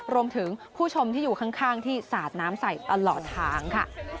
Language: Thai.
คุณผู้ชมผู้ชมที่อยู่ข้างที่สาดน้ำใส่ตลอดทางค่ะ